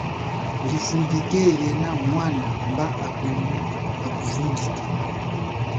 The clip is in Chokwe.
Livumbike yena mwena mba akwenu aku vumbike.